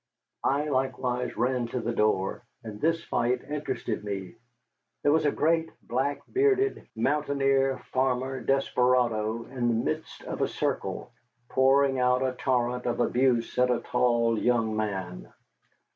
I likewise ran to the door, and this fight interested me. There was a great, black bearded mountaineer farmer desperado in the midst of a circle, pouring out a torrent of abuse at a tall young man.